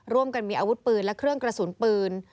ร่วมกันมีอาวุธปืนและเครื่องกระสุนปืน